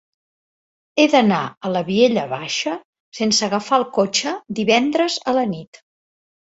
He d'anar a la Vilella Baixa sense agafar el cotxe divendres a la nit.